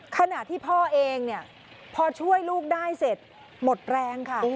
ขณะที่พ่อเองเนี่ยพอช่วยลูกได้เสร็จหมดแรงค่ะ